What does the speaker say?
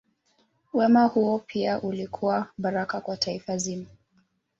Wema huo pia ulikuwa baraka kwa taifa zima.